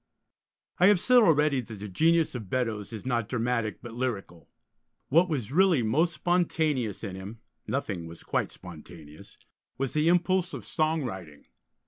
I have said already that the genius of Beddoes is not dramatic, but lyrical. What was really most spontaneous in him (nothing was quite spontaneous) was the impulse of song writing.